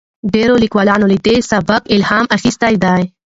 ډیرو لیکوالانو له دې سبک الهام اخیستی دی.